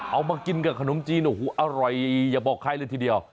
เอามากินกับขนมจีนโอ้โหอร่อยอย่าบอกใครเลยทีเดียว